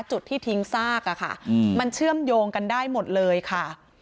จุดที่ทิ้งซากมันเชื่อมโยงกันได้หมดเลยค่ะ